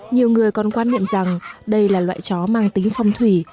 nhiều người còn quan niệm rằng đây là loại chó mang tính phong thủy